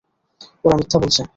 ওরা মিথ্যা বলছে।